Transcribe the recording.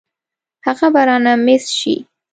هغه به رانه مېس شي.